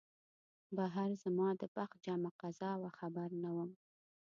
بهر زما د بخت جمعه قضا وه خبر نه وم